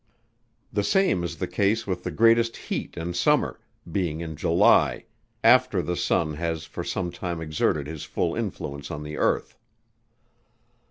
The same is the case with the greatest heat in summer, being in July, after the sun has for some time exerted his full influence on the earth.